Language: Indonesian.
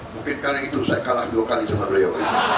mungkin karena itu saya kalah dua kali sama beliau